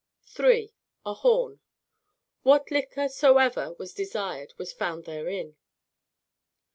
3. A horn; what liquor soever was desired was found therein.